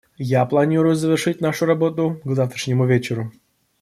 Я планирую завершить нашу работу к завтрашнему вечеру.